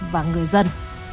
và người dân